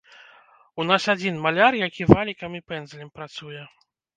У нас адзін маляр, які валікам і пэндзлем працуе.